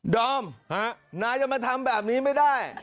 ดอมนายจะมาทำแบบนี้ไม่ได้